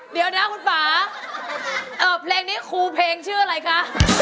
เดี๋ยวนะคุณป่าเพลงนี้ครูเพลงชื่ออะไรคะ